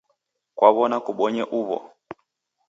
Kwaw'ona kubonye uw'o?